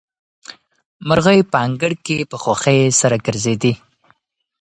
مرغۍ په انګړ کې په خوښۍ سره ګرځېدې.